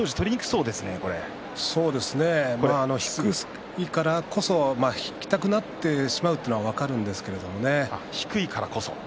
そうですね低いからこそ引きたくなってしまうというところがあるんですね。